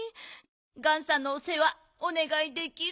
ガンさんのおせわおねがいできる？